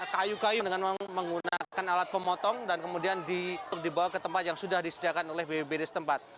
kayu kayu dengan menggunakan alat pemotong dan kemudian dibawa ke tempat yang sudah disediakan oleh bpbd setempat